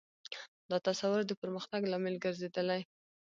دا تصور د پرمختګ لامل ګرځېدلی.